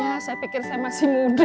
ya saya pikir saya masih muda